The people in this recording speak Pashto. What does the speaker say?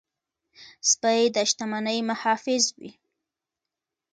سپي د شتمنۍ محافظ وي.